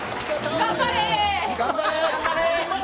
頑張れ。